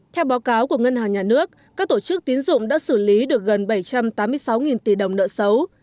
theo báo cáo của ngân hàng nhà nước các tổ chức tín dụng đã xử lý được gần bảy trăm tám mươi sáu tỷ đồng nợ xấu